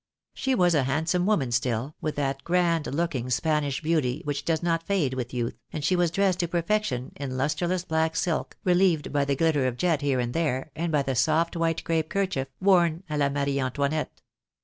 She was a handsome woman still, with that grand looking Spanish beauty which does not fade with youth, and she was dressed to perfection in lustreless black silk, relieved by the glitter of jet here and there, and by the soft white crape kerchief, worn a la Marie Antoinette.